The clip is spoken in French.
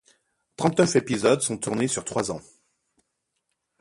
Trente-neuf épisodes sont tournés sur trois ans.